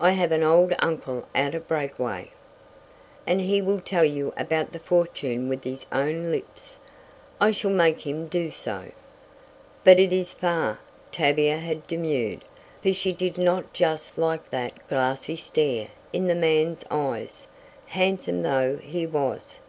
"I have an old uncle out at Breakaway, and he will tell you about the fortune with his own lips I shall make him do so." "But is it far?" Tavia had demurred, for she did not just like that glassy stare in the man's eyes, handsome though he was.